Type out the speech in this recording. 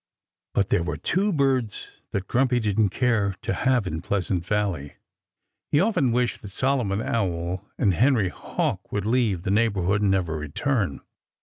But there were two birds that Grumpy didn't care to have in Pleasant Valley. He often wished that Solomon Owl and Henry Hawk would leave the neighborhood and never return.